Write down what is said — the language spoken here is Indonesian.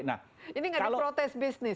ini nggak ada protes bisnis